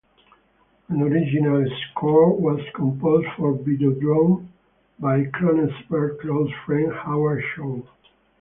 An original score was composed for "Videodrome" by Cronenberg's close friend, Howard Shore.